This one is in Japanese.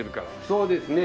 そうですね。